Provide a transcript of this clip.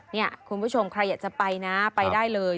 นี่คุณผู้ชมใครอยากจะไปนะไปได้เลย